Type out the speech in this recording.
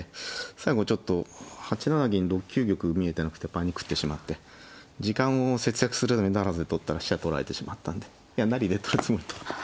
最後ちょっと８七銀６九玉見えてなくてパニクってしまって時間を節約するために不成で取ったら飛車取られてしまったんでいや成りで取るつもり。